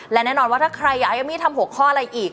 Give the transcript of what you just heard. และแน่นอนว่าถ้าใครอยากให้เอมมี่ทำหัวข้ออะไรอีก